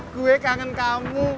gue kangen kamu